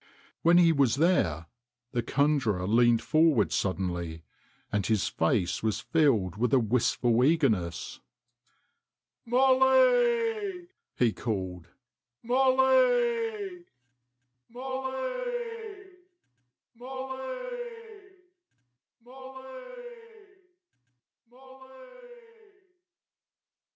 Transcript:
When he was there the conjurer leaned forward sud denly, and his face was filled with a wistful eagerness. " Molly !" he called, " Molly